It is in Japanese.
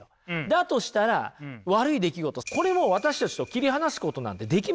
だとしたら悪い出来事これも私たちと切り離すことなんてできます？